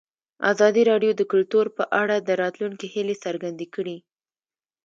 ازادي راډیو د کلتور په اړه د راتلونکي هیلې څرګندې کړې.